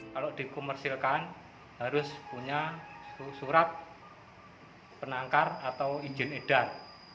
kalau dikomersilkan harus punya surat penangkar atau izin edar